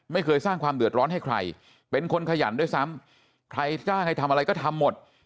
ไม่เคยสร้างความเดือดร้อนให้ใครเป็นคนขยันด้วยซ้ำใครจ้างให้ทำอะไรก็ทำหมด